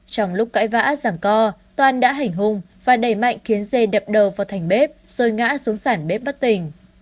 trong lúc cãi vã giảng co toàn đã hành hung và đẩy mạnh khiến dây đập đầu vào thành bếp rồi ngã xuống sản bếp bất tình